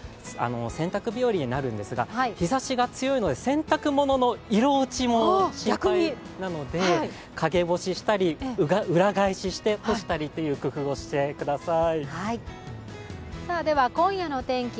洗濯日和になるんですが日ざしが強いので洗濯物の色落ちも心配なので陰干ししたり、裏返して干したりと工夫してください。